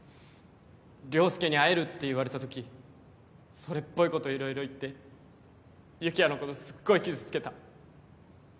良介に会えるって言われた時それっぽいこと色々言って有起哉のことすっごい傷つけた